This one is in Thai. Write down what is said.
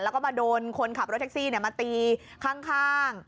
แล้วก็มาโดนคนขับรถแท็กซี่มาตีข้าง